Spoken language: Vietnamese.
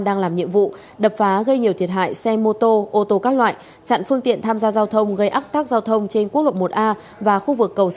đang làm nhiệm vụ